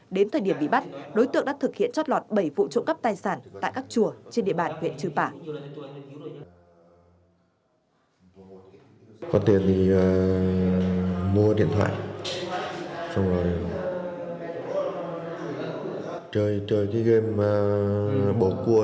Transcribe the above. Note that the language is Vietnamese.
đến thời điểm bị bắt đối tượng đã thực hiện trót lọt bảy vụ trộm cấp tài sản tại các chùa trên địa bàn huyện chư pá